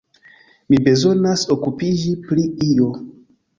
Mi bezonas okupiĝi pri io.